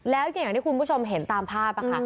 แล้วก็อย่างที่คุณผู้ชมเห็นตามภาพค่ะ